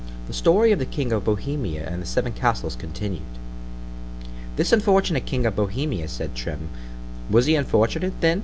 THE STORY OF THE KING OF BOHEMIA AND HIS SEVEN CASTLES, CONTINUED THIS unfortunate King of Bohemia, said Trim,——Was he unfortunate, then?